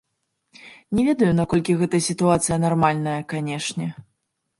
Не ведаю, наколькі гэтая сітуацыя нармальная, канешне.